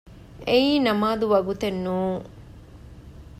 އެއީ ނަމާދު ވަގުތެއް ނޫން